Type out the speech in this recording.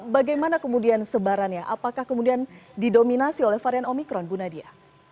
bagaimana kemudian sebarannya apakah kemudian didominasi oleh varian omikron bu nadia